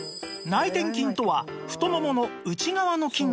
内転筋とは太ももの内側の筋肉の事